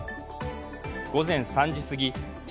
午前３時すぎ